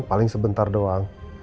paling sebentar doang